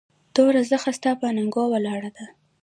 توره زخه ستا پهٔ اننګو ولاړه ده